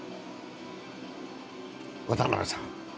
渡辺さん。